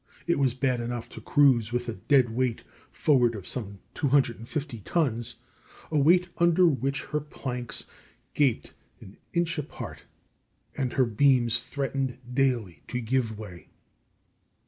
It was bad enough to cruise with a dead weight forward of some 250 tons a weight under which her planks gaped an inch apart, and her beams threatened daily to give way.